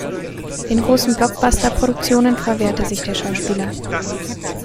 Den großen Blockbuster-Produktionen verwehrte sich der Schauspieler.